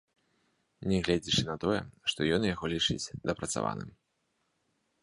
Нягледзячы на тое, што ён яго лічыць дапрацаваным.